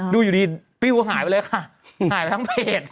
ดูอยู่ดีปิ้วหายไปเลยค่ะหายไปทั้งเพจ